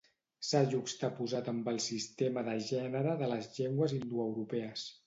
S'ha juxtaposat amb el sistema de gènere de les llengües indoeuropees.